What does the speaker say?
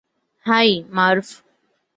High, মার্ভ।